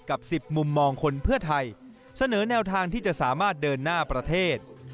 ๑๐มุมมองคนเพื่อไทยเสนอแนวทางที่จะสามารถเดินหน้าประเทศ